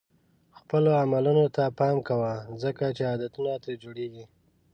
خپلو عملونو ته پام کوه ځکه چې عادتونه ترې جوړېږي.